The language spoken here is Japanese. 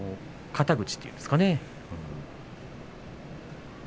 肩口というんでしょうかね。